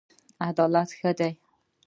عدالت ښه دی.